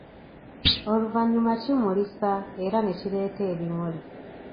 Oluvanyuma kimulisa era nekireeta ebimuli.